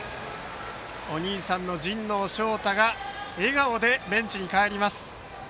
お兄さんの神農翔多が笑顔でベンチに帰ります。